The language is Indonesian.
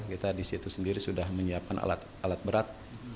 kita disitu sendiri sudah menyiapkan alat berat